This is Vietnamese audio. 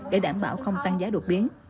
để đảm bảo không tăng giá đột biến